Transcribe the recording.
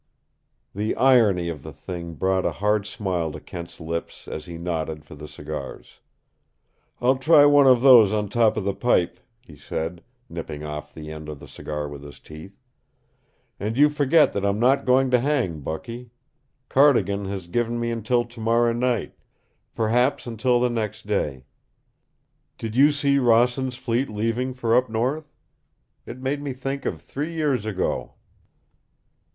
The irony of the thing brought a hard smile to Kent's lips as he nodded for the cigars. "I'll try one of these on top of the pipe," he said, nipping off the end of the cigar with his teeth. "And you forget that I'm not going to hang, Bucky. Cardigan has given me until tomorrow night. Perhaps until the next day. Did you see Rossand's fleet leaving for up north? It made me think of three years ago!"